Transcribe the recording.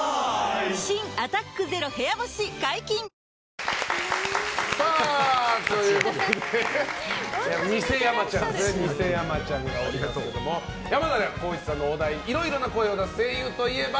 新「アタックＺＥＲＯ部屋干し」解禁‼偽やまちゃんがおりますけども山寺宏一さんのお題いろいろな声を出す声優といえば？